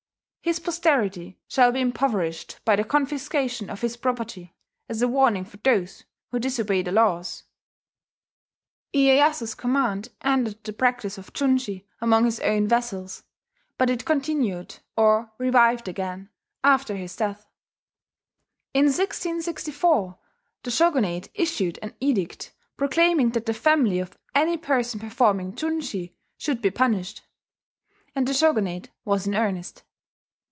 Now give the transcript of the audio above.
His posterity shall be impoverished by the confiscation of his property, as a warning for those who disobey the laws." Iyeyasu's command ended the practice of junshi among his own vassals; but it continued, or revived again, after his death. In 1664 the shogunate issued an edict proclaiming that the family of any person performing junshi should be punished; and the shogunate was in earnest.